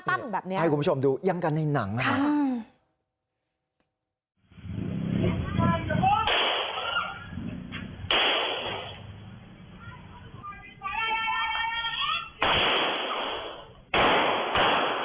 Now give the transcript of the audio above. คุณผู้ชมดูยั้งกันในหนังนะครับ